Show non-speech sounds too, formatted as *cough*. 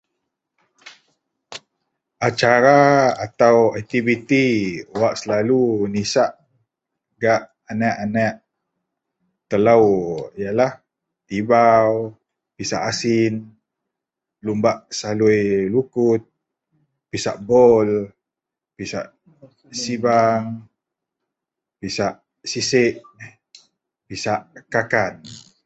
*noise* acara atau aktiviti wak selalu nisak gak aneak - aneak telou yenlah tibou, isak asin, lubak salui lukut, pisak bol, pisak simban, pisak sisek, pisak kakan